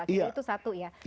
itu satu ya